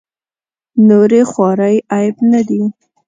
نورې خوارۍ عیب نه دي.